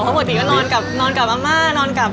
เพราะปกติก็นอนกับอาม่านอนกลับ